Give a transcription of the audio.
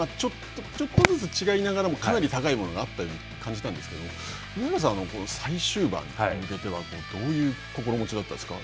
ちょっとずつ違いながらも、かなり高いものがあったように感じたんですけれども、上原さんは、最終盤に向けてはどういう心持ちだ